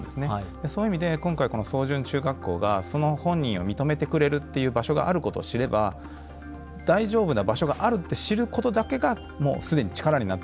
そういう意味で今回この草潤中学校が本人を認めてくれるっていう場所があることを知れば大丈夫な場所があるって知ることだけがもう既に力になってると思うんですね。